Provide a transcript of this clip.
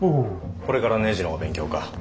これからねじのお勉強か。